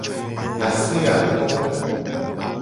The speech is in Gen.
Ase ato.